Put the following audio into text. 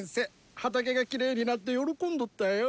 畑がきれいになって喜んどったよ。